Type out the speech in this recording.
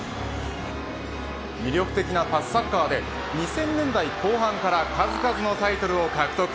魅力的なパスサッカーで２０００年代後半から数々のタイトルを獲得。